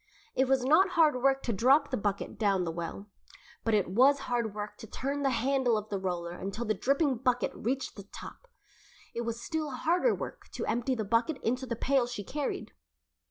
It was not hard work to drop the bucket down the well, but it was hard work to turn the handle of the roller until the dripping bucket reached the top. It was still harder work to empty the bucket into the pail she carried.